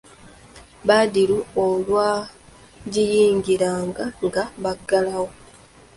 Badru olwagiyingiranga nga baggalawo.